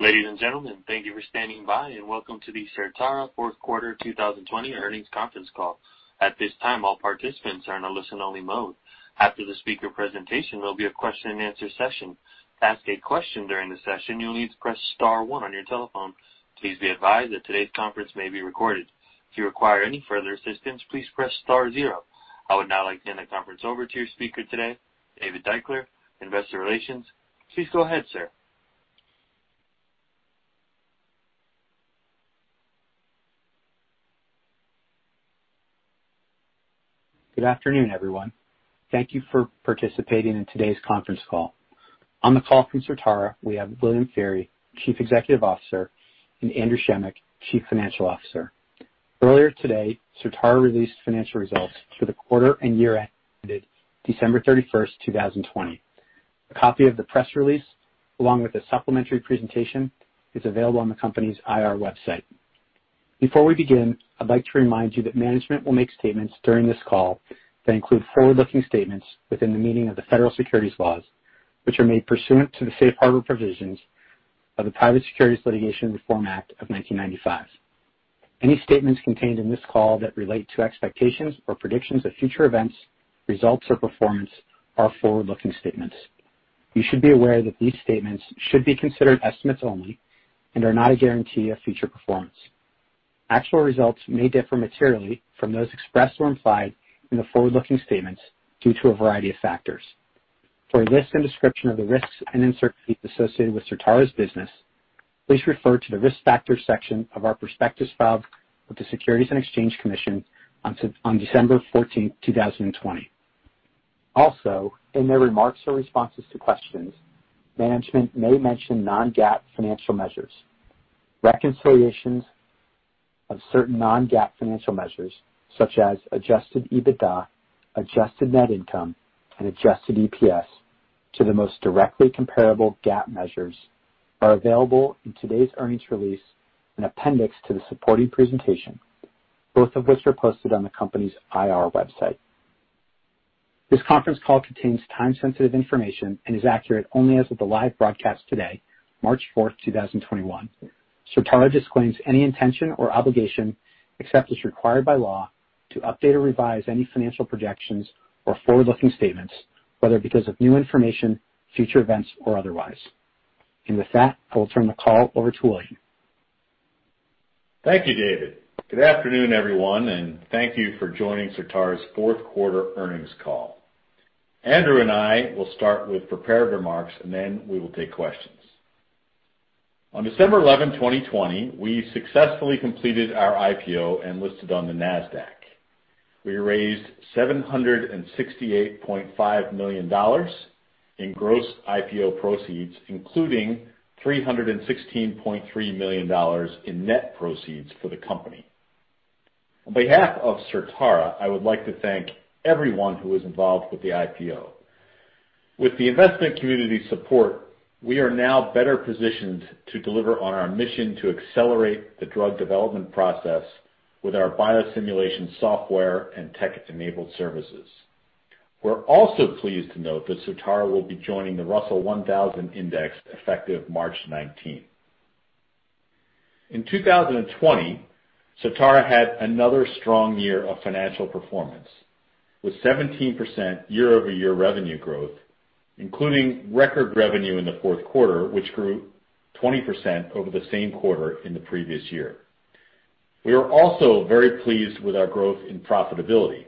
Ladies and gentlemen, thank you for standing by and welcome to the Certara Q4 2020 Earnings Conference Call. At this time, all participants are in a listen-only mode. After the speaker presentation, there'll be a question and answer session. To ask a question during the session, you'll need to press star one on your telephone. Please be advised that today's conference may be recorded. If you require any further assistance, please press star zero. I would now like to hand the conference over to your speaker today, David Deuchler, Investor Relations. Please go ahead, sir. Good afternoon, everyone. Thank you for participating in today's conference call. On the call from Certara, we have William Feehery, Chief Executive Officer, and Andrew Schemick, Chief Financial Officer. Earlier today, Certara released financial results for the quarter and year ended December 31st, 2020. A copy of the press release, along with a supplementary presentation, is available on the company's IR website. Before we begin, I'd like to remind you that management will make statements during this call that include forward-looking statements within the meaning of the federal securities laws, which are made pursuant to the safe harbor provisions of the Private Securities Litigation Reform Act of 1995. Any statements contained in this call that relate to expectations or predictions of future events, results, or performance are forward-looking statements. You should be aware that these statements should be considered estimates only and are not a guarantee of future performance. Actual results may differ materially from those expressed or implied in the forward-looking statements due to a variety of factors. For a list and description of the risks and uncertainties associated with Certara's business, please refer to the Risk Factors section of our prospectus filed with the Securities and Exchange Commission on December 14th, 2020. Also, in their remarks or responses to questions, management may mention non-GAAP financial measures. Reconciliations of certain non-GAAP financial measures, such as adjusted EBITDA, adjusted net income, and adjusted EPS to the most directly comparable GAAP measures are available in today's earnings release and appendix to the supporting presentation, both of which are posted on the company's IR website. This conference call contains time-sensitive information and is accurate only as of the live broadcast today, March 4th, 2021. Certara disclaims any intention or obligation, except as required by law, to update or revise any financial projections or forward-looking statements, whether because of new information, future events, or otherwise. With that, I will turn the call over to William. Thank you, David. Good afternoon, everyone, and thank you for joining Certara's Q4 earnings call. Andrew and I will start with prepared remarks, and then we will take questions. On December 11, 2020, we successfully completed our IPO and listed on the Nasdaq. We raised $768.5 million in gross IPO proceeds, including $316.3 million in net proceeds for the company. On behalf of Certara, I would like to thank everyone who was involved with the IPO. With the investment community support, we are now better positioned to deliver on our mission to accelerate the drug development process with our biosimulation software and tech-enabled services. We're also pleased to note that Certara will be joining the Russell 1000 Index effective March 19th. In 2020, Certara had another strong year of financial performance, with 17% year-over-year revenue growth, including record revenue in the Q4, which grew 20% over the same quarter in the previous year. We are also very pleased with our growth in profitability.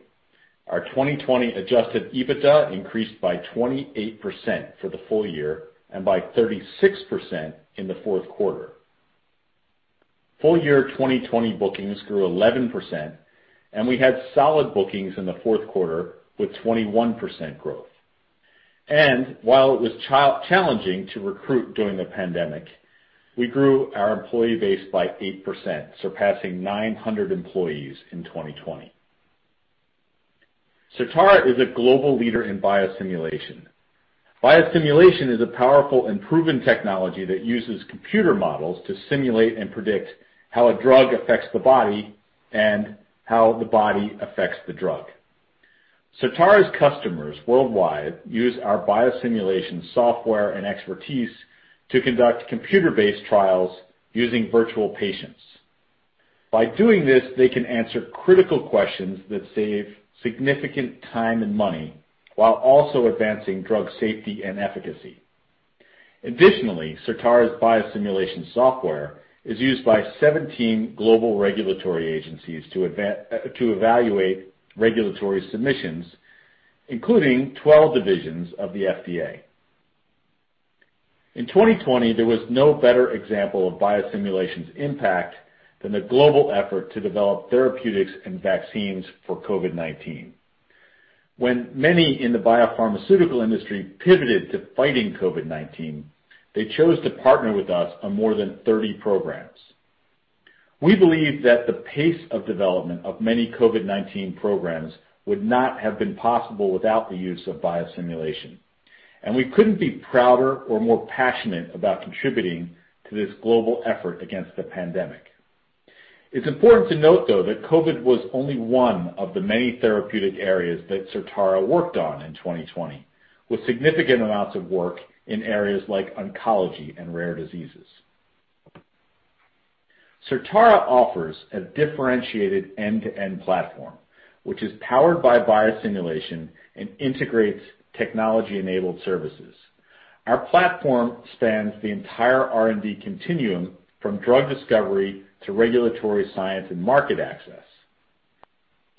Our 2020 adjusted EBITDA increased by 28% for the full year and by 36% in the Q4. Full year 2020 bookings grew 11%, and we had solid bookings in the Q4 with 21% growth. While it was challenging to recruit during the pandemic, we grew our employee base by 8%, surpassing 900 employees in 2020. Certara is a global leader in biosimulation. Biosimulation is a powerful and proven technology that uses computer models to simulate and predict how a drug affects the body and how the body affects the drug. Certara's customers worldwide use our biosimulation software and expertise to conduct computer-based trials using virtual patients. By doing this, they can answer critical questions that save significant time and money while also advancing drug safety and efficacy. Additionally, Certara's biosimulation software is used by 17 global regulatory agencies to evaluate regulatory submissions, including 12 divisions of the FDA. In 2020, there was no better example of biosimulation's impact than the global effort to develop therapeutics and vaccines for COVID-19. When many in the biopharmaceutical industry pivoted to fighting COVID-19, they chose to partner with us on more than 30 programs. We believe that the pace of development of many COVID-19 programs would not have been possible without the use of biosimulation, and we couldn't be prouder or more passionate about contributing to this global effort against the pandemic. It's important to note, though, that COVID was only one of the many therapeutic areas that Certara worked on in 2020, with significant amounts of work in areas like oncology and rare diseases. Certara offers a differentiated end-to-end platform, which is powered by biosimulation and integrates technology-enabled services. Our platform spans the entire R&D continuum from drug discovery to regulatory science and market access.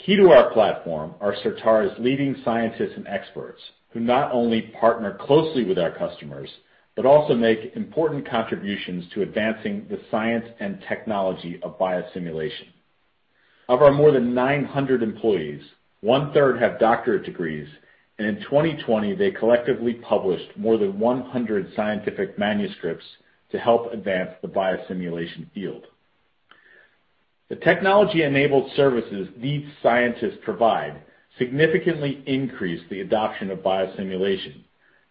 Key to our platform are Certara's leading scientists and experts who not only partner closely with our customers but also make important contributions to advancing the science and technology of biosimulation. Of our more than 900 employees, one-third have doctorate degrees, and in 2020 they collectively published more than 100 scientific manuscripts to help advance the biosimulation field. The technology-enabled services these scientists provide significantly increase the adoption of biosimulation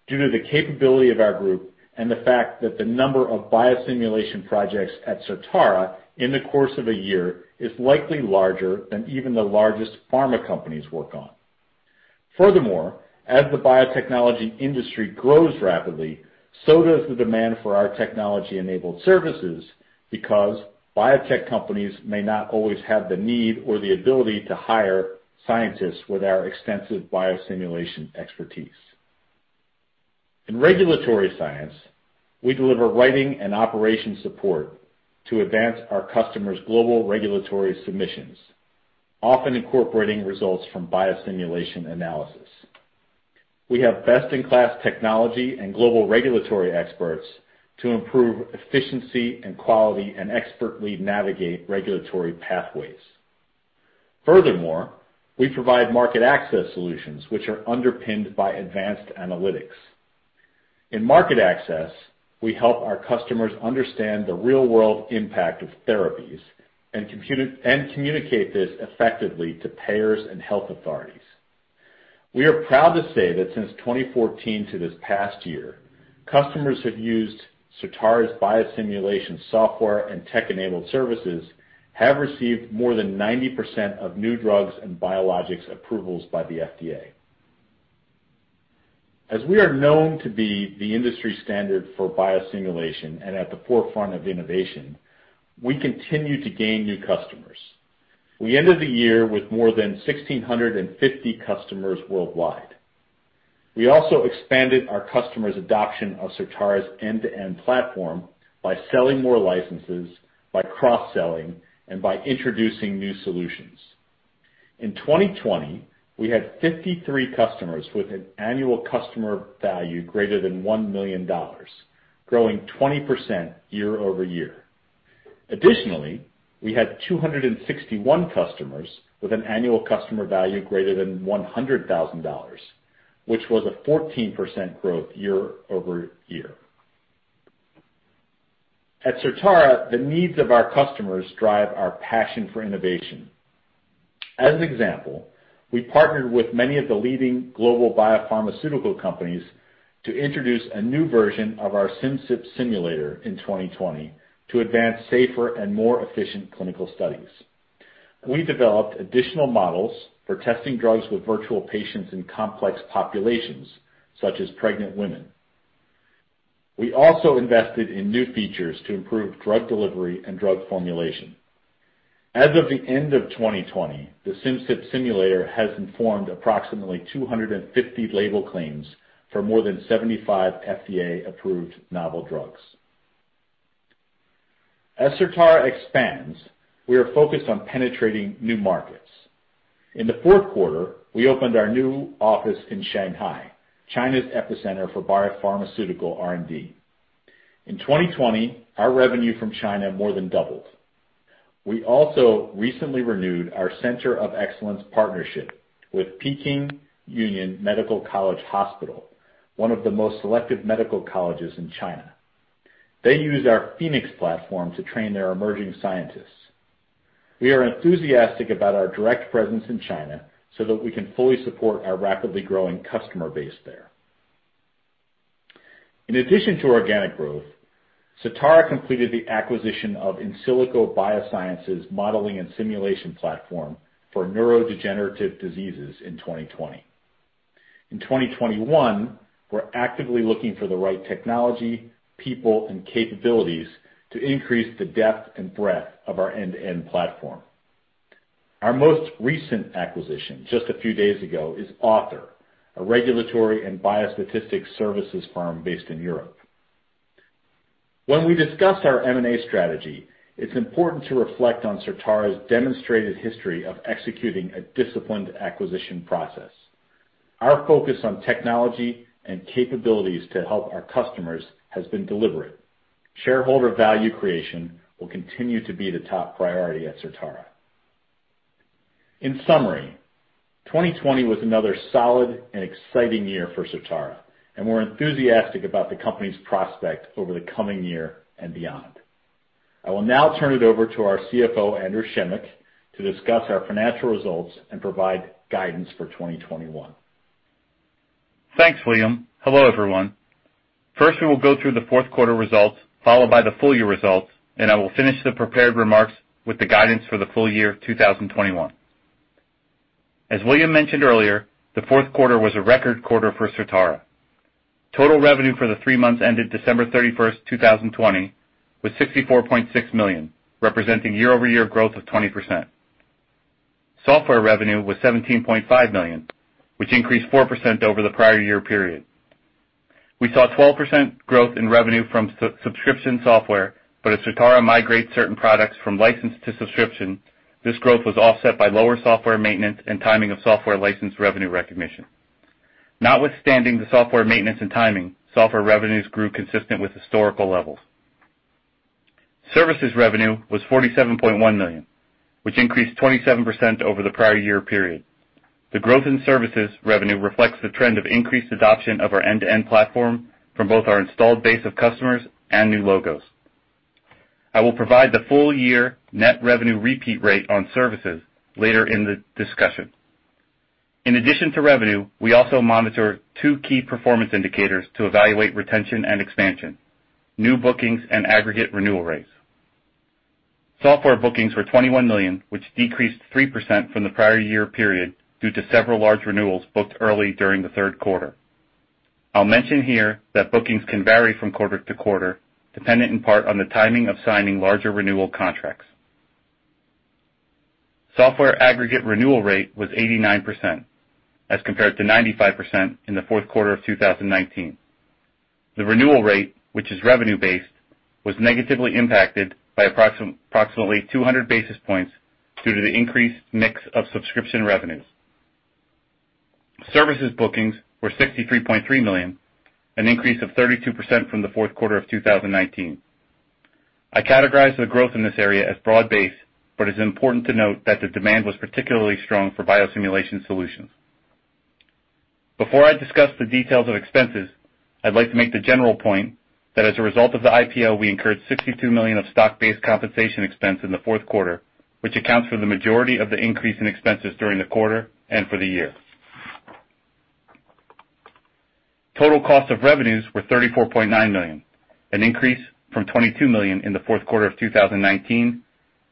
due to the capability of our group and the fact that the number of biosimulation projects at Certara in the course of a year is likely larger than even the largest pharma companies work on. As the biotechnology industry grows rapidly, so does the demand for our technology-enabled services because biotech companies may not always have the need or the ability to hire scientists with our extensive biosimulation expertise. In regulatory science, we deliver writing and operation support to advance our customers' global regulatory submissions, often incorporating results from biosimulation analysis. We have best-in-class technology and global regulatory experts to improve efficiency and quality and expertly navigate regulatory pathways. Furthermore, we provide market access solutions which are underpinned by advanced analytics. In market access, we help our customers understand the real-world impact of therapies and communicate this effectively to payers and health authorities. We are proud to say that since 2014 to this past year, customers who've used Certara's biosimulation software and tech-enabled services have received more than 90% of new drugs and biologics approvals by the FDA. As we are known to be the industry standard for biosimulation and at the forefront of innovation, we continue to gain new customers. We ended the year with more than 1,650 customers worldwide. We also expanded our customers' adoption of Certara's end-to-end platform by selling more licenses, by cross-selling, and by introducing new solutions. In 2020, we had 53 customers with an annual customer value greater than $1 million, growing 20% year-over-year. Additionally, we had 261 customers with an annual customer value greater than $100,000, which was a 14% growth year-over-year. At Certara, the needs of our customers drive our passion for innovation. As an example, we partnered with many of the leading global biopharmaceutical companies to introduce a new version of our Simcyp Simulator in 2020 to advance safer and more efficient clinical studies. We developed additional models for testing drugs with virtual patients in complex populations, such as pregnant women. We also invested in new features to improve drug delivery and drug formulation. As of the end of 2020, the Simcyp Simulator has informed approximately 250 label claims for more than 75 FDA-approved novel drugs. As Certara expands, we are focused on penetrating new markets. In the Q4, we opened our new office in Shanghai, China's epicenter for biopharmaceutical R&D. In 2020, our revenue from China more than doubled. We also recently renewed our Center of Excellence partnership with Peking Union Medical College Hospital, one of the most selective medical colleges in China. They use our Phoenix platform to train their emerging scientists. We are enthusiastic about our direct presence in China so that we can fully support our rapidly growing customer base there. In addition to organic growth, Certara completed the acquisition of In Silico Biosciences modeling and simulation platform for neurodegenerative diseases in 2020. In 2021, we're actively looking for the right technology, people, and capabilities to increase the depth and breadth of our end-to-end platform. Our most recent acquisition, just a few days ago, is AUTHOR!, a regulatory and biostatistics services firm based in Europe. When we discuss our M&A strategy, it's important to reflect on Certara's demonstrated history of executing a disciplined acquisition process. Our focus on technology and capabilities to help our customers has been deliberate. Shareholder value creation will continue to be the top priority at Certara. In summary, 2020 was another solid and exciting year for Certara, and we're enthusiastic about the company's prospect over the coming year and beyond. I will now turn it over to our CFO, Andrew Schemick, to discuss our financial results and provide guidance for 2021. Thanks, William. Hello, everyone. First, we will go through the Q4 results, followed by the full-year results, and I will finish the prepared remarks with the guidance for the full year 2021. As William mentioned earlier, the Q4 was a record quarter for Certara. Total revenue for the three months ended December 31st, 2020 was $64.6 million, representing year-over-year growth of 20%. Software revenue was $17.5 million, which increased 4% over the prior year period. We saw 12% growth in revenue from subscription software, but as Certara migrates certain products from license to subscription, this growth was offset by lower software maintenance and timing of software license revenue recognition. Notwithstanding the software maintenance and timing, software revenues grew consistent with historical levels. Services revenue was $47.1 million, which increased 27% over the prior year period. The growth in services revenue reflects the trend of increased adoption of our end-to-end platform from both our installed base of customers and new logos. I will provide the full-year net revenue repeat rate on services later in the discussion. In addition to revenue, we also monitor two key performance indicators to evaluate retention and expansion, new bookings, and aggregate renewal rates. Software bookings were $21 million, which decreased 3% from the prior year period due to several large renewals booked early during the Q3. I'll mention here that bookings can vary from quarter to quarter, dependent in part on the timing of signing larger renewal contracts. Software aggregate renewal rate was 89%, as compared to 95% in the Q4 of 2019. The renewal rate, which is revenue-based, was negatively impacted by approximately 200 basis points due to the increased mix of subscription revenues. Services bookings were $63.3 million, an increase of 32% from the Q4 of 2019. I categorize the growth in this area as broad-based, it's important to note that the demand was particularly strong for biosimulation solutions. Before I discuss the details of expenses, I'd like to make the general point that as a result of the IPO, we incurred $62 million of stock-based compensation expense in the Q4, which accounts for the majority of the increase in expenses during the quarter and for the year. Total cost of revenues were $34.9 million, an increase from $22 million in the Q4 of 2019,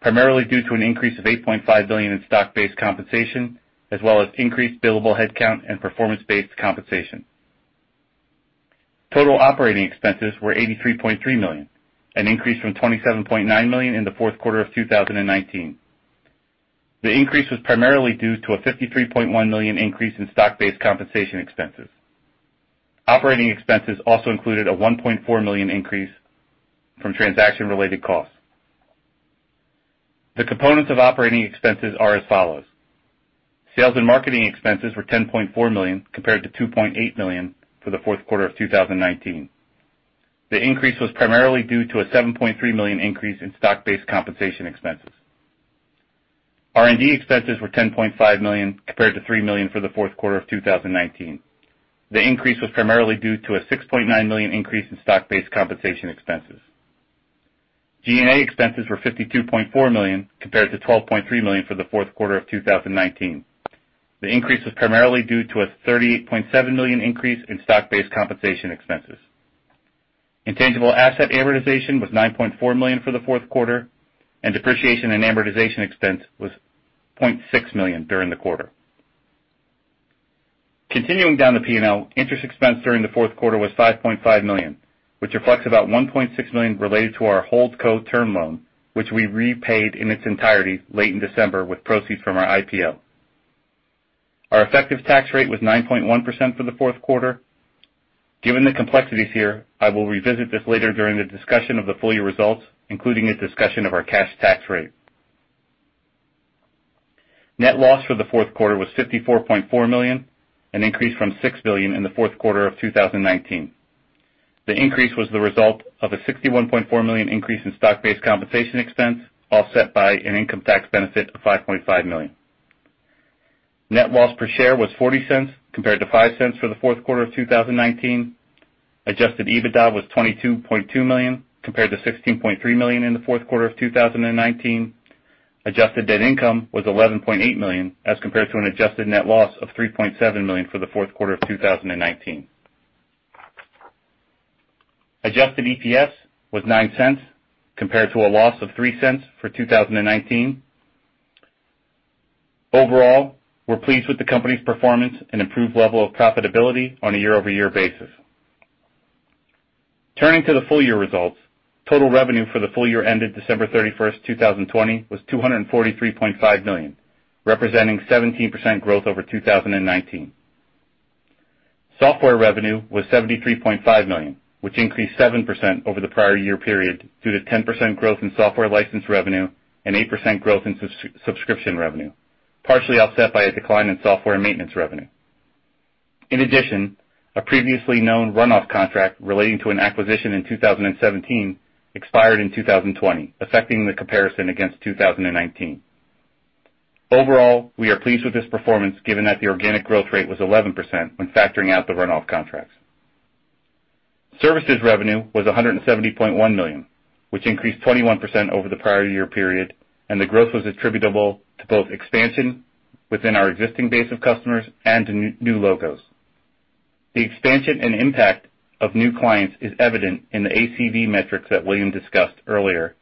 primarily due to an increase of $8.5 million in stock-based compensation, as well as increased billable headcount and performance-based compensation. Total operating expenses were $83.3 million, an increase from $27.9 million in the Q4 of 2019. The increase was primarily due to a $53.1 million increase in stock-based compensation expenses. Operating expenses also included a $1.4 million increase from transaction-related costs. The components of operating expenses are as follows. Sales and marketing expenses were $10.4 million, compared to $2.8 million for the Q4 of 2019. The increase was primarily due to a $7.3 million increase in stock-based compensation expenses. R&D expenses were $10.5 million, compared to $3 million for the Q4 of 2019. The increase was primarily due to a $6.9 million increase in stock-based compensation expenses. G&A expenses were $52.4 million, compared to $12.3 million for the Q4 of 2019. The increase was primarily due to a $38.7 million increase in stock-based compensation expenses. Intangible asset amortization was $9.4 million for the Q4, and depreciation and amortization expense was $0.6 million during the quarter. Continuing down the P&L, interest expense during the Q4 was $5.5 million, which reflects about $1.6 million related to our Holdco term loan, which we repaid in its entirety late in December with proceeds from our IPO. Our effective tax rate was 9.1% for the Q4. Given the complexities here, I will revisit this later during the discussion of the full-year results, including a discussion of our cash tax rate. Net loss for the Q4 was $54.4 million, an increase from $6 million in the Q4 of 2019. The increase was the result of a $61.4 million increase in stock-based compensation expense, offset by an income tax benefit of $5.5 million. Net loss per share was $0.40, compared to $0.05 for the Q4 of 2019. Adjusted EBITDA was $22.2 million, compared to $16.3 million in the Q4 of 2019. Adjusted net income was $11.8 million, as compared to an adjusted net loss of $3.7 million for the Q4 of 2019. Adjusted EPS was $0.09, compared to a loss of $0.03 for 2019. Overall, we're pleased with the company's performance and improved level of profitability on a year-over-year basis. Turning to the full-year results, total revenue for the full year ended December 31st, 2020 was $243.5 million, representing 17% growth over 2019. Software revenue was $73.5 million, which increased 7% over the prior year period due to 10% growth in software license revenue and 8% growth in subscription revenue, partially offset by a decline in software maintenance revenue. In addition, a previously known runoff contract relating to an acquisition in 2017 expired in 2020, affecting the comparison against 2019. Overall, we are pleased with this performance given that the organic growth rate was 11% when factoring out the runoff contracts. Services revenue was $170.1 million, which increased 21% over the prior year period, and the growth was attributable to both expansion within our existing base of customers and to new logos. The expansion and impact of new clients is evident in the ACV metrics that William discussed earlier,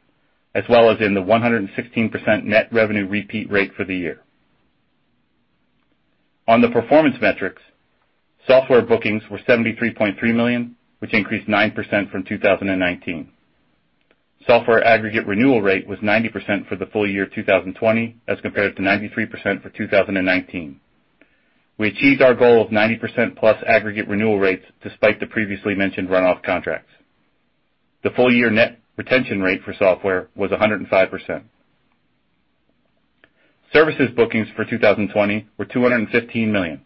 as well as in the 116% net revenue repeat rate for the year. On the performance metrics, software bookings were $73.3 million, which increased 9% from 2019. Software aggregate renewal rate was 90% for the full year 2020 as compared to 93% for 2019. We achieved our goal of 90%+ aggregate renewal rates despite the previously mentioned runoff contracts. The full year net retention rate for software was 105%. Services bookings for 2020 were $215 million,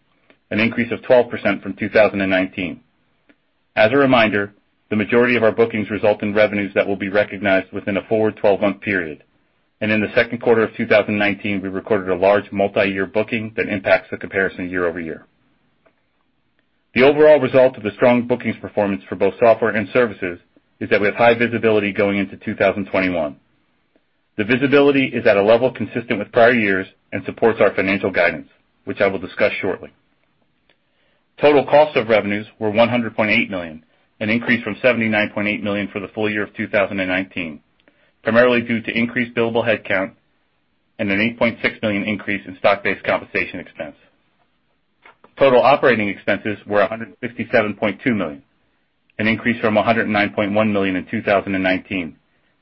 an increase of 12% from 2019. As a reminder, the majority of our bookings resuIt in revenues that will be recognised within the one month period and in the Q2 of 2019, we recorded a large multi-year booking that impacts the comparison year-over-year. The overall result of the strong bookings performance for both software and services is that we have high visibility going into 2021. The visibility is at a level consistent with prior years and supports our financial guidance, which I will discuss shortly. Total cost of revenues were $100.8 million, an increase from $79.8 million for the full year of 2019, primarily due to increased billable headcount and an $8.6 million increase in stock-based compensation expense. Total operating expenses were $157.2 million, an increase from $109.1 million in 2019,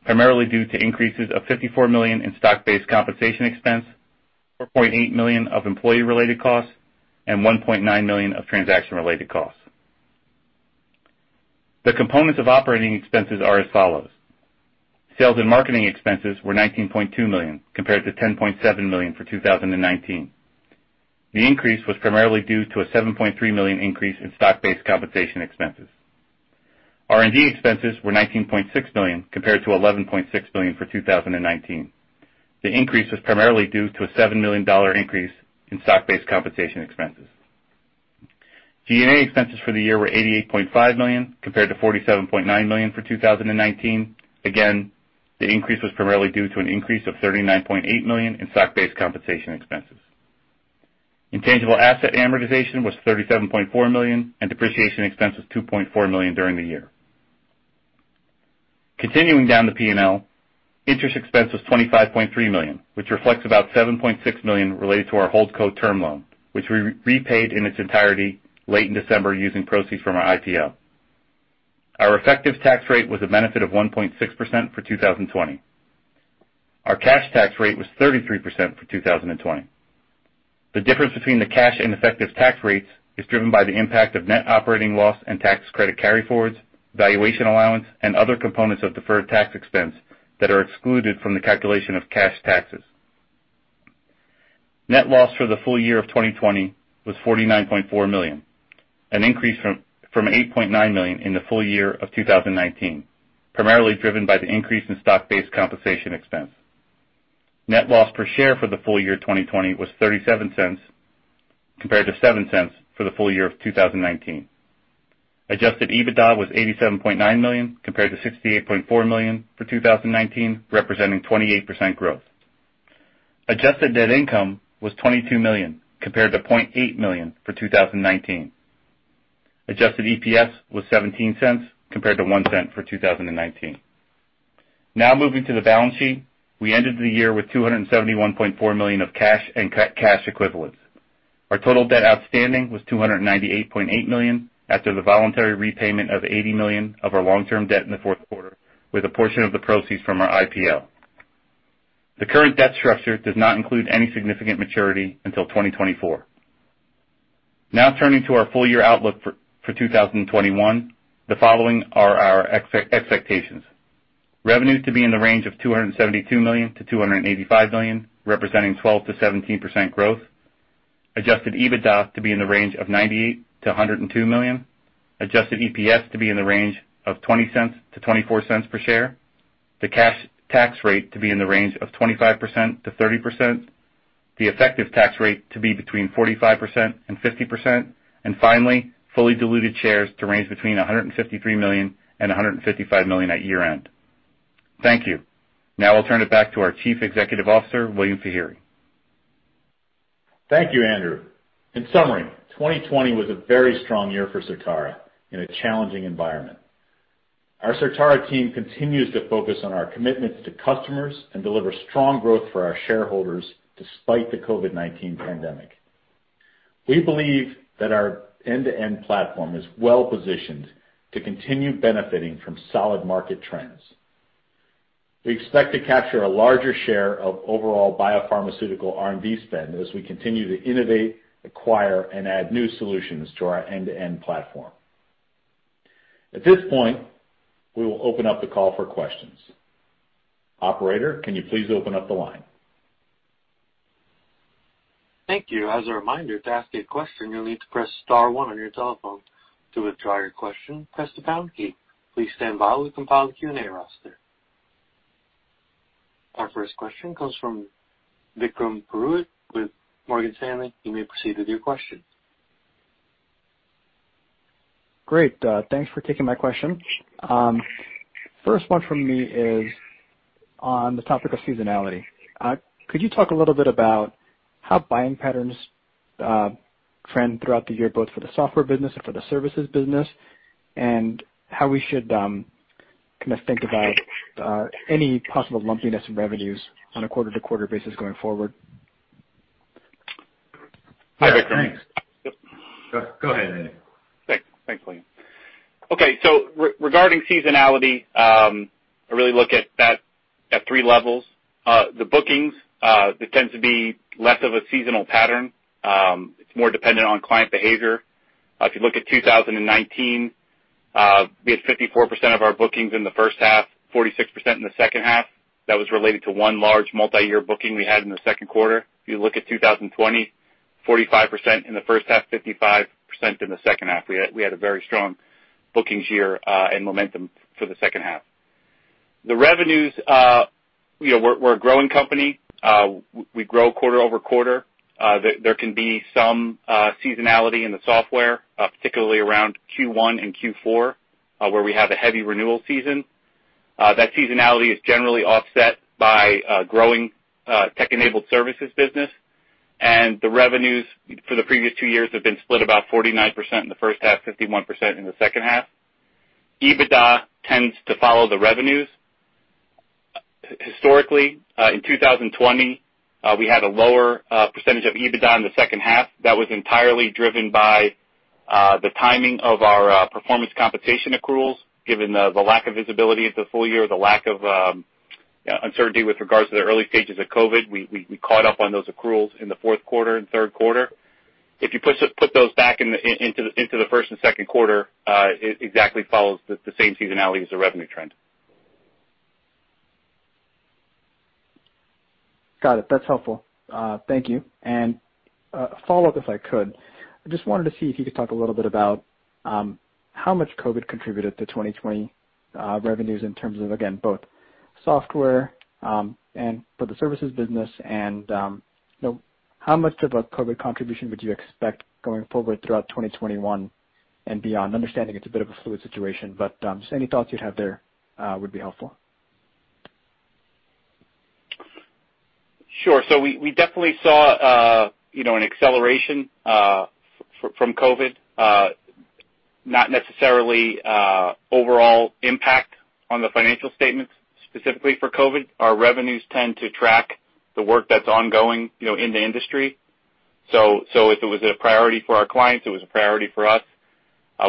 primarily due to increases of $54 million in stock-based compensation expense, $4.8 million of employee-related costs, and $1.9 million of transaction-related costs. The components of operating expenses are as follows. Sales and marketing expenses were $19.2 million, compared to $10.7 million for 2019. The increase was primarily due to a $7.3 million increase in stock-based compensation expenses. R&D expenses were $19.6 million, compared to $11.6 million for 2019. The increase was primarily due to a $7 million increase in stock-based compensation expenses. G&A expenses for the year were $88.5 million, compared to $47.9 million for 2019. Again, the increase was primarily due to an increase of $39.8 million in stock-based compensation expenses. Intangible asset amortization was $37.4 million, and depreciation expense was $2.4 million during the year. Continuing down the P&L, interest expense was $25.3 million, which reflects about $7.6 million related to our holdco term loan, which we repaid in its entirety late in December using proceeds from our IPO. Our effective tax rate was a benefit of 1.6% for 2020. Our cash tax rate was 33% for 2020. The difference between the cash and effective tax rates is driven by the impact of net operating loss and tax credit carry-forwards, valuation allowance, and other components of deferred tax expense that are excluded from the calculation of cash taxes. Net loss for the full year of 2020 was $49.4 million, an increase from $8.9 million in the full year of 2019, primarily driven by the increase in stock-based compensation expense. Net loss per share for the full year 2020 was $0.37, compared to $0.07 for the full year of 2019. Adjusted EBITDA was $87.9 million, compared to $68.4 million for 2019, representing 28% growth. Adjusted net income was $22 million, compared to $0.8 million for 2019. Adjusted EPS was $0.17, compared to $0.01 for 2019. Moving to the balance sheet. We ended the year with $271.4 million of cash and cash equivalents. Our total debt outstanding was $298.8 million after the voluntary repayment of $80 million of our long-term debt in the Q4, with a portion of the proceeds from our IPO. The current debt structure does not include any significant maturity until 2024. Turning to our full-year outlook for 2021. The following are our expectations. Revenues to be in the range of $272 million-$285 million, representing 12%-17% growth. Adjusted EBITDA to be in the range of $98 million-$102 million. Adjusted EPS to be in the range of $0.20-$0.24 per share. The cash tax rate to be in the range of 25%-30%. The effective tax rate to be 45%-50%. Finally, fully diluted shares to range 153 million-155 million at year-end. Thank you. Now I'll turn it back to our Chief Executive Officer, William Feehery. Thank you, Andrew. In summary, 2020 was a very strong year for Certara in a challenging environment. Our Certara team continues to focus on our commitments to customers and deliver strong growth for our shareholders despite the COVID-19 pandemic. We believe that our end-to-end platform is well positioned to continue benefiting from solid market trends. We expect to capture a larger share of overall biopharmaceutical R&D spend as we continue to innovate, acquire, and add new solutions to our end-to-end platform. At this point, we will open up the call for questions. Operator, can you please open up the line? Thank you. As a reminder, to ask a question, you'll need to press star one on your telephone. To withdraw your question, press the pound key. Please stand by while we compile the Q&A roster. Our first question comes from Vikram Purohit with Morgan Stanley. You may proceed with your question. Great. Thanks for taking my question. First one from me is on the topic of seasonality. Could you talk a little bit about how buying patterns trend throughout the year, both for the software business and for the services business, and how we should think about any possible lumpiness in revenues on a quarter-to-quarter basis going forward? Hi, Vikram. Thanks. Yep. Go ahead, Andy. Thanks, William. Okay. Regarding seasonality, I really look at that at three levels. The bookings, they tend to be less of a seasonal pattern. It's more dependent on client behavior. If you look at 2019, we had 54% of our bookings in the H1, 46% in the H2. That was related to one large multi-year booking we had in the Q2. If you look at 2020, 45% in the first half, 55% in the H2. We had a very strong bookings year and momentum for the H2. The revenues, we're a growing company. We grow quarter-over-quarter. There can be some seasonality in the software, particularly around Q1 and Q4, where we have a heavy renewal season. That seasonality is generally offset by a growing tech-enabled services business, and the revenues for the previous two years have been split about 49% in the H1, 51% in the H2. EBITDA tends to follow the revenues. Historically, in 2020, we had a lower percentage of EBITDA in the H2. That was entirely driven by the timing of our performance compensation accruals, given the lack of visibility into the full year, the lack of uncertainty with regards to the early stages of COVID. We caught up on those accruals in the Q4 and Q3. If you put those back into the first and Q2, it exactly follows the same seasonality as the revenue trend. Got it. That's helpful. Thank you. A follow-up, if I could. I just wanted to see if you could talk a little bit about how much COVID contributed to 2020 revenues in terms of, again, both software and for the services business, and how much of a COVID contribution would you expect going forward throughout 2021 and beyond? Understanding it's a bit of a fluid situation, just any thoughts you'd have there would be helpful. Sure. We definitely saw an acceleration from COVID, not necessarily overall impact on the financial statements specifically for COVID. Our revenues tend to track the work that's ongoing in the industry. If it was a priority for our clients, it was a priority for us.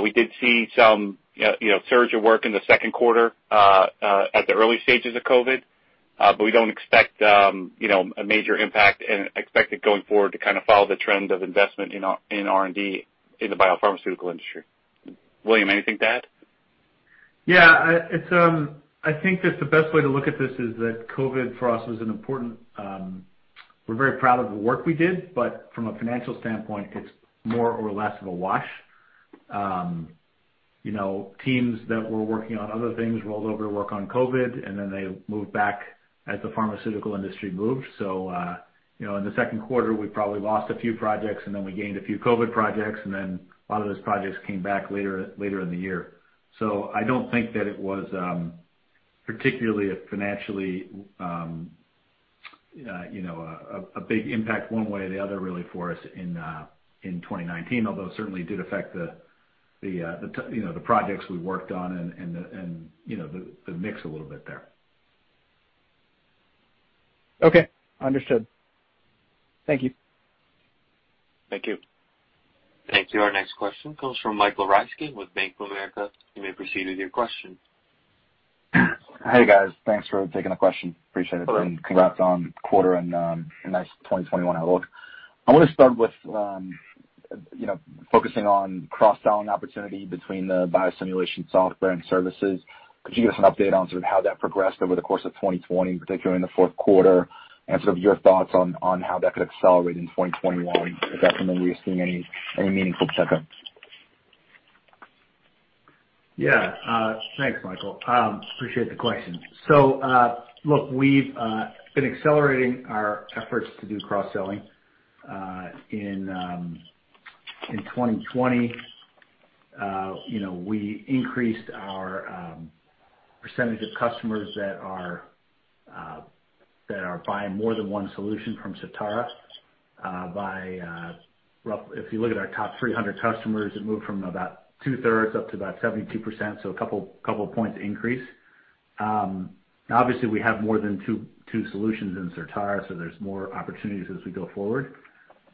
We did see some surge of work in the Q2 at the early stages of COVID. We don't expect a major impact and expect it going forward to follow the trend of investment in R&D in the biopharmaceutical industry. William, anything to add? I think that the best way to look at this is that COVID for us was an important. We're very proud of the work we did, but from a financial standpoint, it's more or less of a wash. Teams that were working on other things rolled over to work on COVID, then they moved back as the pharmaceutical industry moved. In the Q2, we probably lost a few projects, then we gained a few COVID projects, then a lot of those projects came back later in the year. I don't think that it was particularly a financially a big impact one way or the other really for us in 2019, although it certainly did affect the projects we worked on and the mix a little bit there. Okay. Understood. Thank you. Thank you. Thank you. Our next question comes from Michael Ryskin with Bank of America. You may proceed with your question. Hey, guys. Thanks for taking the question. Appreciate it. Hello. Congrats on the quarter and a nice 2021 outlook. I want to start with focusing on cross-selling opportunity between the biosimulation software and services. Could you give us an update on how that progressed over the course of 2020, particularly in the Q4, and your thoughts on how that could accelerate in 2021 if that's something we're seeing any meaningful check on? Thanks, Michael. Appreciate the question. Look, we've been accelerating our efforts to do cross-selling. In 2020, we increased our percentage of customers that are buying more than one solution from Certara by roughly, if you look at our top 300 customers, it moved from about two-thirds up to about 72%, so a couple points increase. Obviously, we have more than two solutions in Certara, so there's more opportunities as we go forward.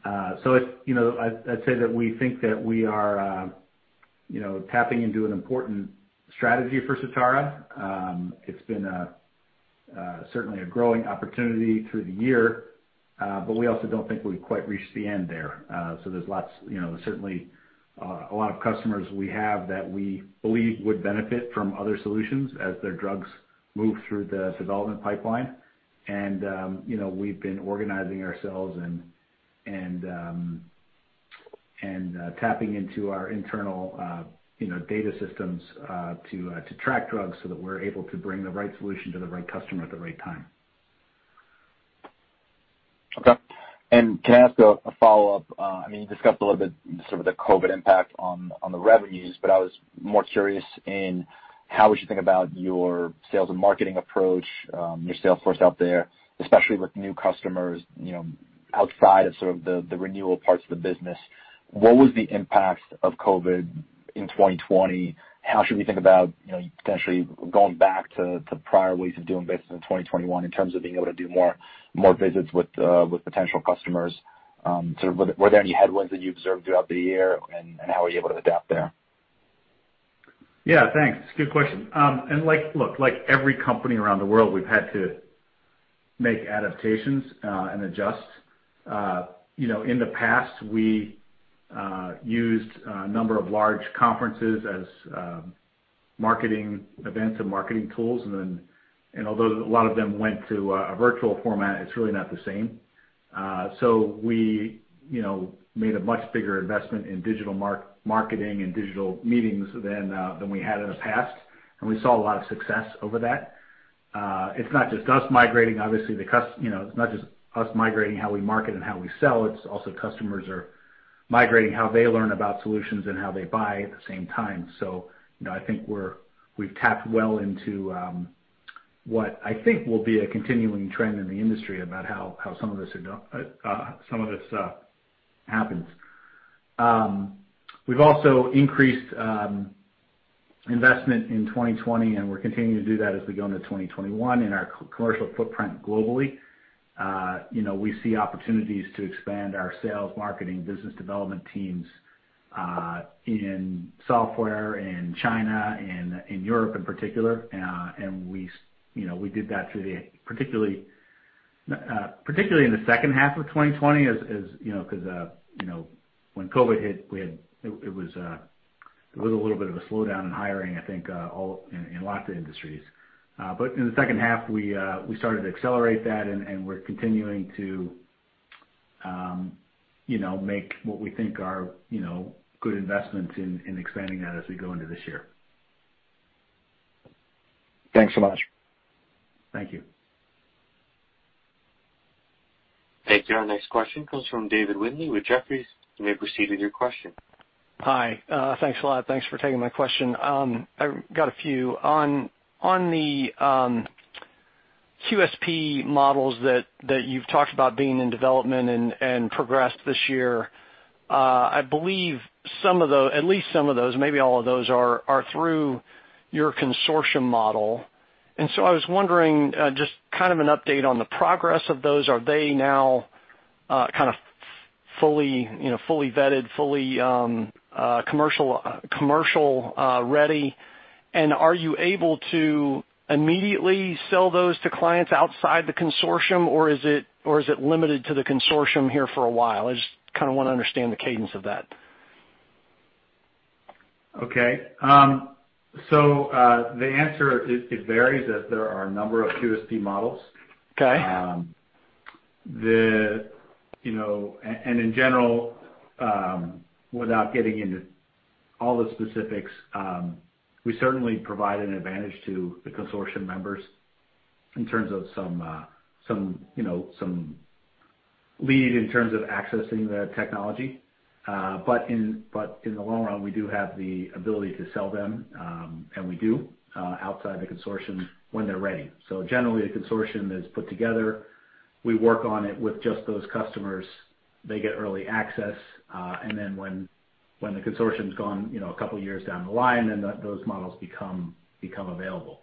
I'd say that we think that we are tapping into an important strategy for Certara. It's been certainly a growing opportunity through the year. We also don't think we've quite reached the end there. There's certainly a lot of customers we have that we believe would benefit from other solutions as their drugs move through the development pipeline. We've been organizing ourselves and tapping into our internal data systems to track drugs so that we're able to bring the right solution to the right customer at the right time. Okay. Can I ask a follow-up? You discussed a little bit the COVID impact on the revenues, but I was more curious in how would you think about your sales and marketing approach, your sales force out there, especially with new customers, outside of the renewal parts of the business. What was the impact of COVID in 2020? How should we think about, potentially going back to prior ways of doing business in 2021 in terms of being able to do more visits with potential customers? Were there any headwinds that you observed throughout the year, and how were you able to adapt there? Thanks. Good question. Look, like every company around the world, we've had to make adaptations, and adjust. In the past, we used a number of large conferences as marketing events and marketing tools, and although a lot of them went to a virtual format, it's really not the same. We made a much bigger investment in digital marketing and digital meetings than we had in the past. We saw a lot of success over that. It's not just us migrating how we market and how we sell, it's also customers are migrating how they learn about solutions and how they buy at the same time. I think we've tapped well into what I think will be a continuing trend in the industry about how some of this stuff happens. We've also increased investment in 2020. We're continuing to do that as we go into 2021 in our commercial footprint globally. We see opportunities to expand our sales marketing business development teams, in software in China and in Europe in particular. We did that particularly in the H2 of 2020 because when COVID-19 hit, it was a little bit of a slowdown in hiring, I think, in lots of industries. In the H2, we started to accelerate that. We're continuing to make what we think are good investments in expanding that as we go into this year. Thanks so much. Thank you. Thank you. Our next question comes from David Windley with Jefferies. You may proceed with your question. Hi. Thanks a lot. Thanks for taking my question. I got a few. On the QSP models that you've talked about being in development and progressed this year, I believe at least some of those, maybe all of those, are through your consortium model. I was wondering, just an update on the progress of those. Are they now fully vetted, fully commercial-ready? Are you able to immediately sell those to clients outside the consortium, or is it limited to the consortium here for a while? I just want to understand the cadence of that. Okay. The answer, it varies, as there are a number of QSP models. Okay. In general, without getting into all the specifics, we certainly provide an advantage to the consortium members in terms of some lead in terms of accessing the technology. In the long run, we do have the ability to sell them, and we do, outside the consortium when they're ready. Generally, the consortium is put together. We work on it with just those customers. They get early access. Then when the consortium's gone a couple of years down the line, then those models become available.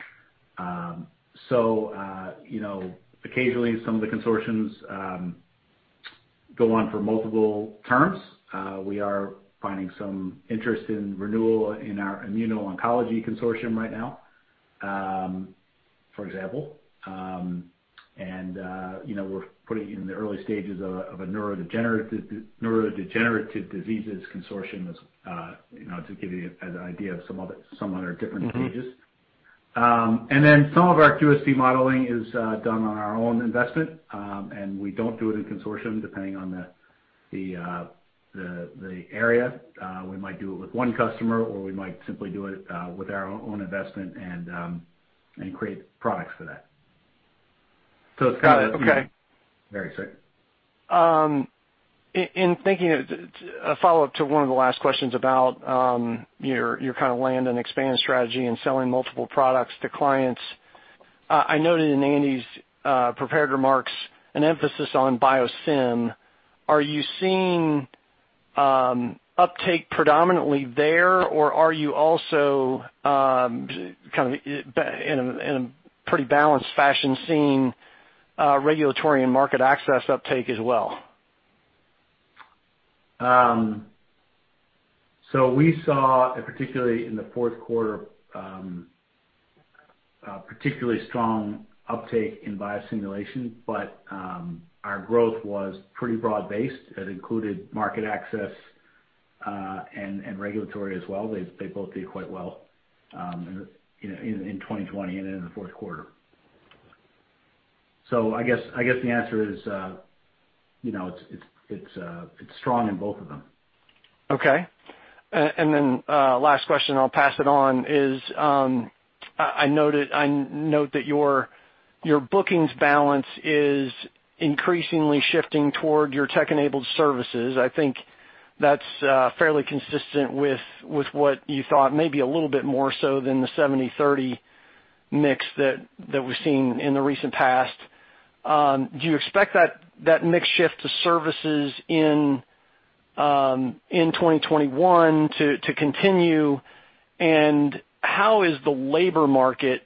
Occasionally some of the consortiums go on for multiple terms. We are finding some interest in renewal in our immuno-oncology consortium right now, for example. We're putting in the early stages of a neurodegenerative diseases consortium as to give you an idea of some of their different stages. Some of our QSP modeling is done on our own investment. We don't do it in consortium, depending on the area. We might do it with one customer, or we might simply do it with our own investment and create products for that. Got it. Okay. Very sure. In thinking, a follow-up to one of the last questions about your land and expand strategy and selling multiple products to clients. I noted in Andy's prepared remarks an emphasis on biosim. Are you seeing uptake predominantly there, or are you also in a pretty balanced fashion seeing regulatory and market access uptake as well? We saw, particularly in the Q4, particularly strong uptake in biosimulation, but our growth was pretty broad-based. It included market access, and regulatory as well. They both did quite well in 2020 and in the Q4. I guess the answer is, it's strong in both of them. Okay. Last question and I'll pass it on is, I note that your bookings balance is increasingly shifting toward your tech-enabled services. I think that's fairly consistent with what you thought, maybe a little bit more so than the 70/30 mix that we've seen in the recent past. Do you expect that mix shift to services in 2021 to continue, and how is the labor market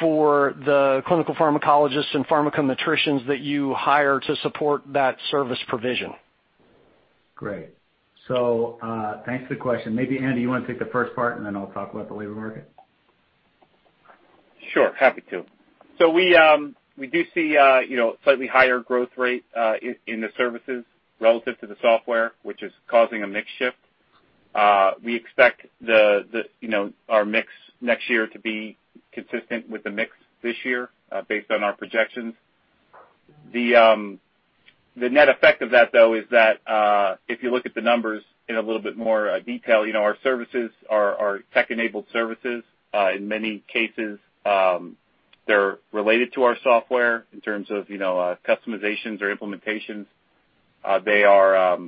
for the clinical pharmacologists and pharmacometricians that you hire to support that service provision? Great. Thanks for the question. Maybe Andy, you want to take the first part and then I'll talk about the labor market. Sure. Happy to. We do see slightly higher growth rate in the services relative to the software, which is causing a mix shift. We expect our mix next year to be consistent with the mix this year, based on our projections. The net effect of that, though, is that, if you look at the numbers in a little bit more detail, our services are tech-enabled services. In many cases, they're related to our software in terms of customizations or implementations. They are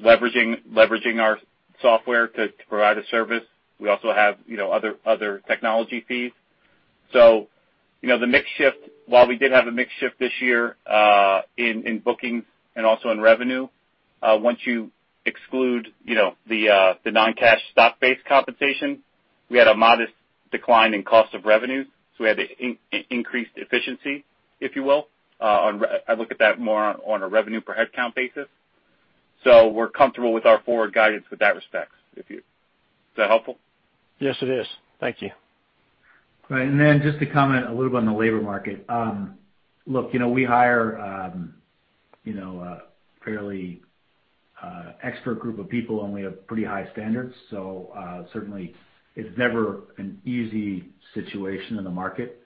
leveraging our software to provide a service. We also have other technology fees. The mix shift, while we did have a mix shift this year in bookings and also in revenue, once you exclude the non-cash stock-based compensation, we had a modest decline in cost of revenue. We had increased efficiency, if you will. I look at that more on a revenue per headcount basis. We're comfortable with our forward guidance with that respect. Is that helpful? Yes, it is. Thank you. Great. Then just to comment a little bit on the labor market. Look, we hire a fairly expert group of people, and we have pretty high standards, so certainly it's never an easy situation in the market.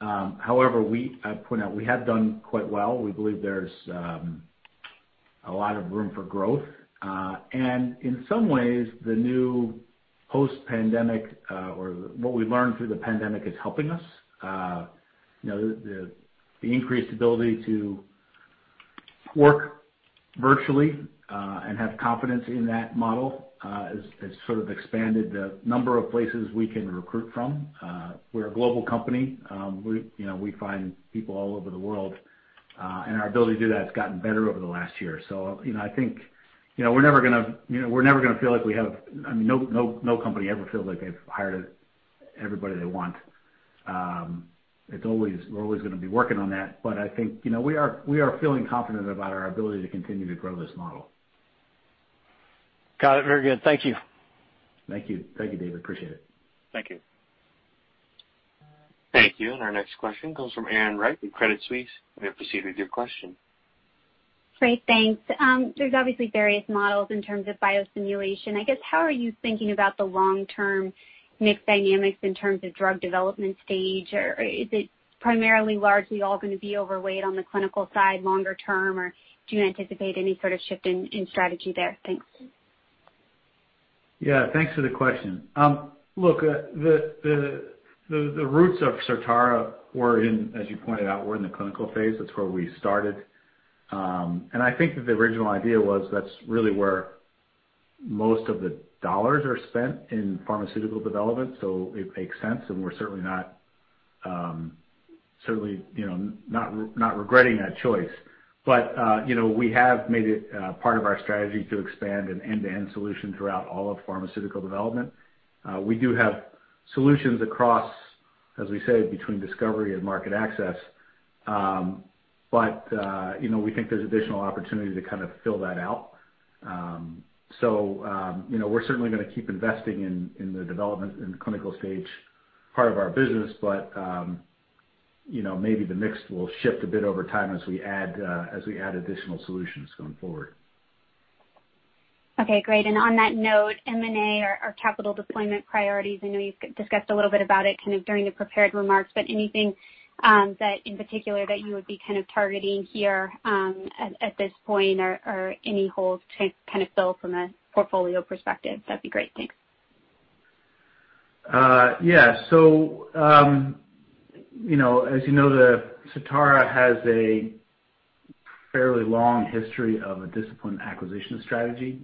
However, I point out, we have done quite well. We believe there's a lot of room for growth. In some ways, the new post-pandemic or what we learned through the pandemic is helping us. The increased ability to work virtually, and have confidence in that model, has sort of expanded the number of places we can recruit from. We're a global company. We find people all over the world, and our ability to do that has gotten better over the last year. I think we're never going to feel like no company ever feels like they've hired everybody they want. We're always going to be working on that. I think we are feeling confident about our ability to continue to grow this model. Got it. Very good. Thank you. Thank you, David. Appreciate it. Thank you. Thank you. Our next question comes from Erin Wright with Credit Suisse. You may proceed with your question. Great. Thanks. There's obviously various models in terms of biosimulation. I guess how are you thinking about the long-term mix dynamics in terms of drug development stage, or is it primarily largely all going to be overweight on the clinical side longer term, or do you anticipate any sort of shift in strategy there? Thanks. Yeah. Thanks for the question. Look, the roots of Certara, as you pointed out, were in the clinical phase. That's where we started. I think that the original idea was that's really where most of the dollars are spent in pharmaceutical development. It makes sense, and we're certainly not regretting that choice. We have made it part of our strategy to expand an end-to-end solution throughout all of pharmaceutical development. We do have solutions across, as we say, between discovery and market access. We think there's additional opportunity to kind of fill that out. We're certainly going to keep investing in the development and clinical stage part of our business. Maybe the mix will shift a bit over time as we add additional solutions going forward. Okay, great. On that note, M&A or capital deployment priorities, I know you've discussed a little bit about it kind of during the prepared remarks, but anything that in particular that you would be kind of targeting here at this point or any holes to kind of fill from a portfolio perspective? That'd be great. Thanks. Yeah. As you know, Certara has a fairly long history of a disciplined acquisition strategy.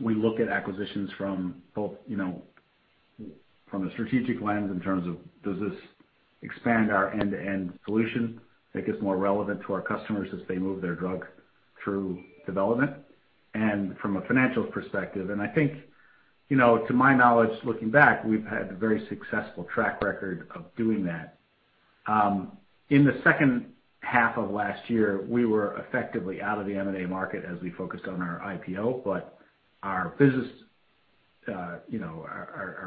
We look at acquisitions from both, from a strategic lens in terms of does this expand our end-to-end solution, make us more relevant to our customers as they move their drug through development, and from a financial perspective. I think, to my knowledge, looking back, we've had a very successful track record of doing that. In the H2 of last year, we were effectively out of the M&A market as we focused on our IPO. Our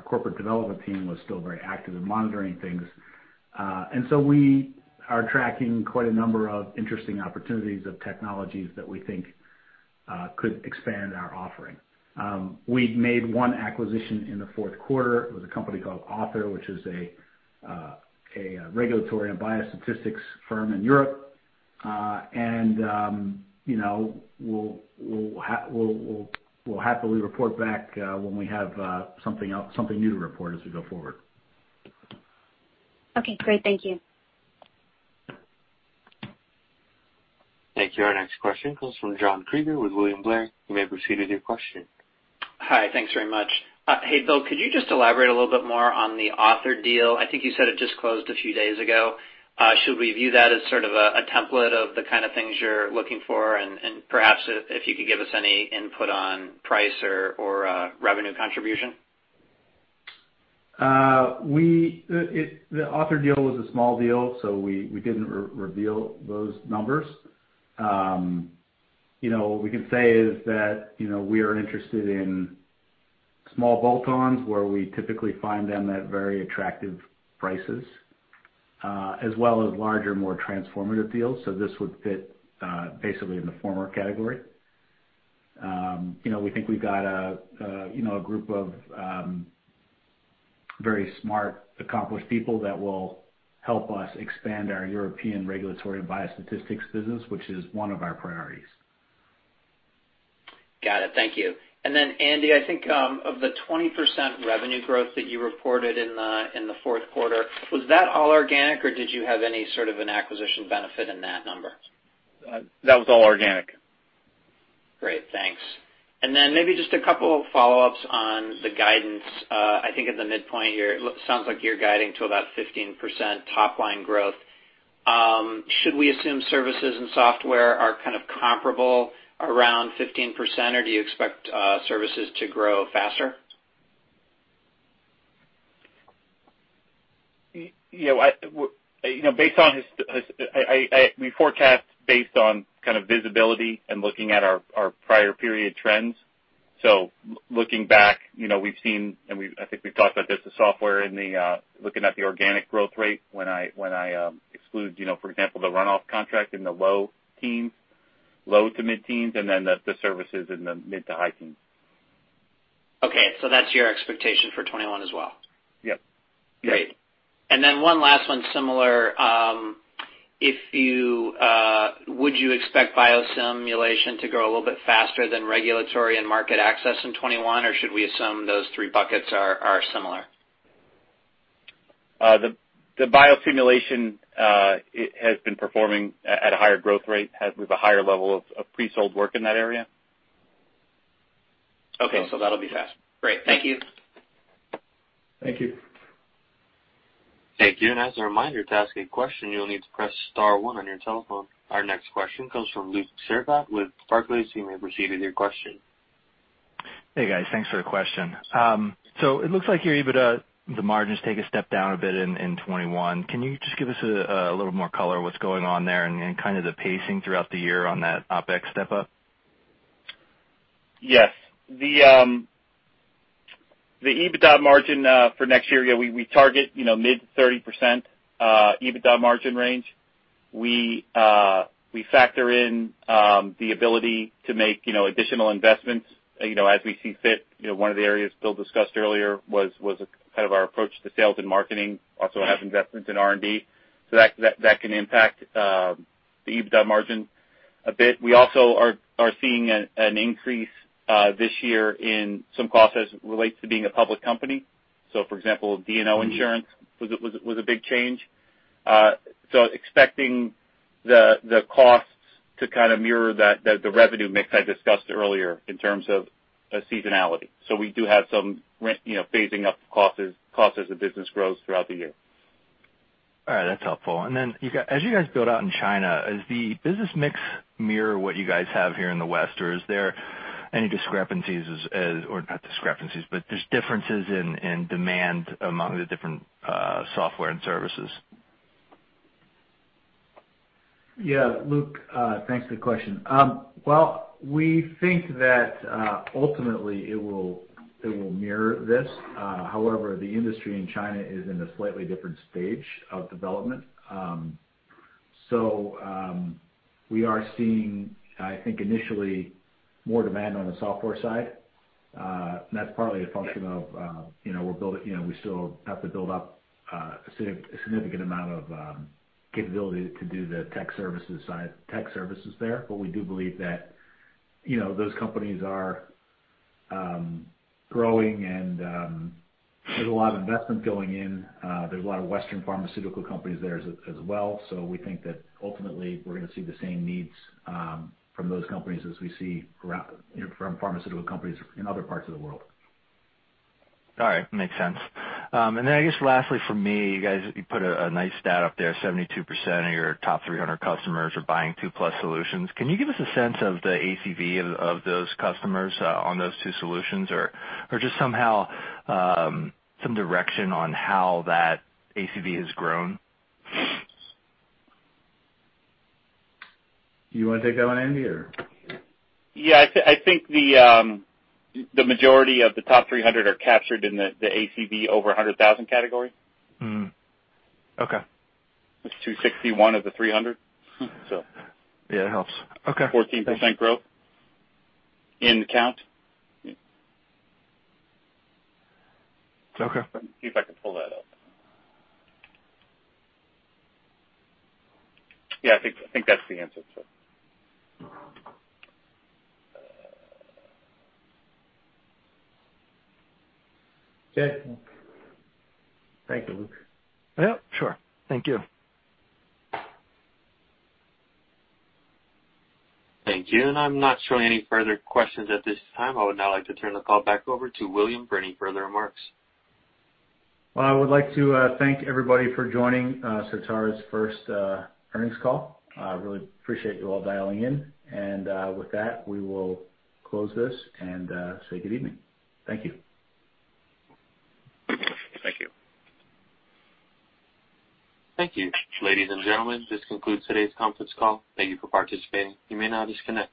corporate development team was still very active in monitoring things. We are tracking quite a number of interesting opportunities of technologies that we think could expand our offering. We made one acquisition in the Q4 with a company called AUTHOR!, which is a regulatory and biostatistics firm in Europe. We'll happily report back when we have something new to report as we go forward. Okay, great. Thank you. Thank you. Our next question comes from John Kreger with William Blair. You may proceed with your question. Hi. Thanks very much. Hey, Bill, could you just elaborate a little bit more on the AUTHOR! deal? I think you said it just closed a few days ago. Should we view that as sort of a template of the kind of things you're looking for? Perhaps if you could give us any input on price or revenue contribution. The AUTHOR! deal was a small deal, so we didn't reveal those numbers. What we can say is that we are interested in small bolt-ons where we typically find them at very attractive prices, as well as larger, more transformative deals. This would fit basically in the former category. We think we've got a group of very smart, accomplished people that will help us expand our European regulatory and biostatistics business, which is one of our priorities. Got it. Thank you. Andy, I think of the 20% revenue growth that you reported in the Q4 was that all organic or did you have any sort of an acquisition benefit in that number? That was all organic. Great, thanks. Maybe just a couple of follow-ups on the guidance. I think at the midpoint here, it sounds like you're guiding to about 15% top-line growth. Should we assume services and software are kind of comparable around 15%, or do you expect services to grow faster? We forecast based on kind of visibility and looking at our prior period trends. Looking back, we've seen, and I think we've talked about this, the software and looking at the organic growth rate when I exclude, for example, the runoff contract in the low teens, low to mid-teens, and then the services in the mid to high teens. Okay, that's your expectation for 2021 as well? Yep. Great. One last one, similar. Would you expect biosimulation to grow a little bit faster than regulatory and market access in 2021? Should we assume those three buckets are similar? The biosimulation has been performing at a higher growth rate with a higher level of pre-sold work in that area. Okay. That'll be fast. Great. Thank you. Thank you. Thank you. As a reminder, to ask a question, you'll need to press star one on your telephone. Our next question comes from Luke Sergott with Barclays. You may proceed with your question. Hey, guys. Thanks for the question. It looks like your EBITDA, the margins take a step down a bit in 2021. Can you just give us a little more color what's going on there and kind of the pacing throughout the year on that OpEx step up? Yes. The EBITDA margin for next year, we target mid-30% EBITDA margin range. We factor in the ability to make additional investments as we see fit. One of the areas Bill discussed earlier was kind of our approach to sales and marketing, also have investments in R&D. That can impact the EBITDA margin a bit. We also are seeing an increase this year in some costs as it relates to being a public company. For example, D&O insurance was a big change. Expecting the costs to kind of mirror the revenue mix I discussed earlier in terms of seasonality. We do have some phasing up of costs as the business grows throughout the year. All right. That's helpful. As you guys build out in China, does the business mix mirror what you guys have here in the West, or are there any discrepancies as, or not discrepancies, but there's differences in demand among the different software and services? Yeah, Luke. Thanks for the question. Well, we think that ultimately it will mirror this. However, the industry in China is in a slightly different stage of development. We are seeing, I think, initially more demand on the software side. That's partly a function of we still have to build up a significant amount of capability to do the tech services there. We do believe that those companies are growing and there's a lot of investment going in. There's a lot of Western pharmaceutical companies there as well. We think that ultimately we're going to see the same needs from those companies as we see from pharmaceutical companies in other parts of the world. All right. Makes sense. I guess lastly from me, you guys, you put a nice stat up there, 72% of your top 300 customers are buying two-plus solutions. Can you give us a sense of the ACV of those customers on those two solutions? Or just somehow some direction on how that ACV has grown? You want to take that one, Andy, or? Yeah, I think the majority of the top 300 are captured in the ACV over 100,000 category. Okay. It's 261 of the 300. Yeah, it helps. Okay. 14% growth in count. Okay. See if I can pull that up. Yeah, I think that's the answer, so. Okay. Thank you, Luke. Yep, sure. Thank you. Thank you. I'm not showing any further questions at this time. I would now like to turn the call back over to William for any further remarks. Well, I would like to thank everybody for joining Certara's first earnings call. I really appreciate you all dialing in. With that, we will close this and say good evening. Thank you. Thank you. Thank you. Ladies and gentlemen, this concludes today's conference call. Thank you for participating. You may now disconnect.